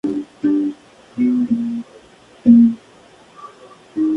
Debutó profesionalmente en Rosario Central, donde fue campeón de Primera División.